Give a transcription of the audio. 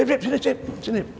eh sini sini